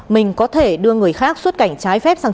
mình có thể đưa người khác suốt cảnh trái phép về nước